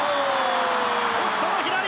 ポストの左。